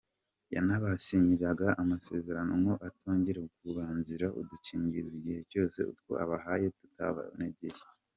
Yanabasinyiraga amasezerano ko atazongera kubazanira udukingirizo igihe cyose utwo abahaye tutabanogeye.